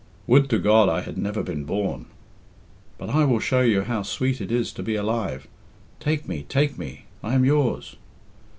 "Would to God I had never been born!" "But I will show you how sweet it is to be alive. Take me, take me I am yours!"